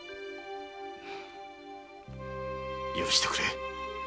許してくれ。